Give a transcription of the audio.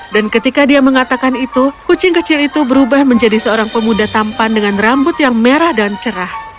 dan ketika dia mengatakan itu kucing kecil itu berubah menjadi seorang pemuda tampan dengan rambut yang merah dan cerah